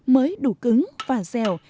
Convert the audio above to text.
mới đủ cứng và dẻo